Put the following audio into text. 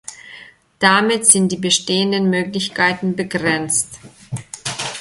Damit sind die bestehenden Möglichkeiten begrenzt.